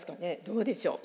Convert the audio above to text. どうでしょう？